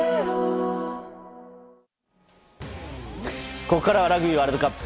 ここからはラグビーワールドカップ。